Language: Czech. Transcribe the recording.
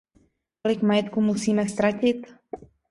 Kolik majetku musíme ztratit?